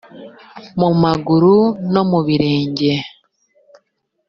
mu maguru no mu birenge